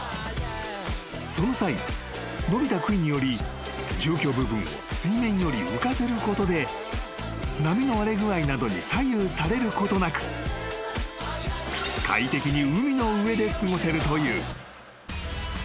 ［その際伸びたくいにより住居部分を水面より浮かせることで波の荒れ具合などに左右されることなく快適に海の上で過ごせるという］